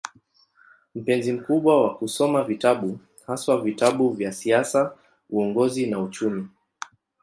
Mpenzi mkubwa wa kusoma vitabu, haswa vitabu vya siasa, uongozi na uchumi.